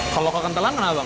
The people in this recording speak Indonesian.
kalau kekentelan kenapa bang